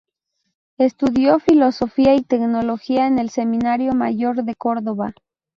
Estudió filosofía y teología en el Seminario Mayor de Córdoba.